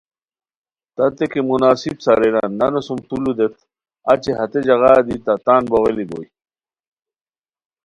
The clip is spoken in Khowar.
تتے کی مناسب ساریران نانو سُم تو لو دیت اچی ہتے ژاغا دی تہ تان بوغیلیک بوئے